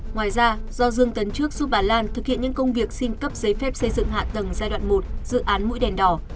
ngoài ra do dương tấn trước giúp bà lan thực hiện những công việc xin cấp giấy phép xây dựng hạ tầng giai đoạn một dự án mũi đèn đỏ